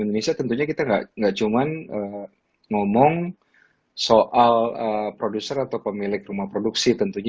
indonesia tentunya kita nggak cuma ngomong soal produser atau pemilik rumah produksi tentunya